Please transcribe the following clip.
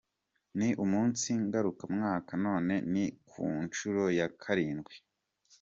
Ni umunsi ngaruka-mwaka, none ni ku nshuro ya kalindwi.